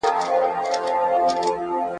خو نه بینا سول نه یې سترګي په دعا سمېږي ,